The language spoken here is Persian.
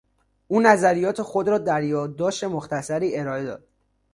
او نظریات خود را در یادداشت مختصری ارائه داد.